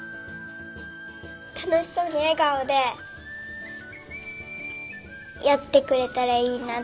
たのしそうにえがおでやってくれたらいいなっておもう。